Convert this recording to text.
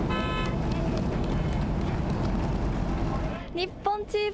日本チーム